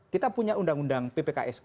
kita punya undang undang ppksk